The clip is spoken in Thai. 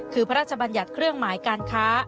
คือพระราชบัญญัติเครื่องหมายการค้า